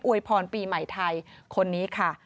วยพรปีใหม่ไทยคนนี้ค่ะ